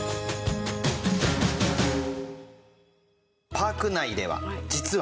パーク内では実は。